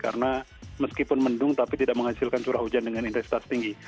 karena meskipun mendung tapi tidak menghasilkan suruh hujan dengan intensitas tinggi